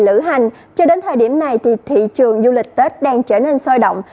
lữ hành cho đến thời điểm này thì thị trường du lịch tết đang trở nên sôi động